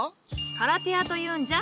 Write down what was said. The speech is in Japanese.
カラテアというんじゃ。